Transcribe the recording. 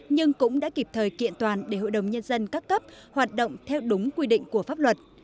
nhưng cũng đã kịp thời kiện toàn để hội đồng nhân dân các cấp hoạt động theo đúng quy định của pháp luật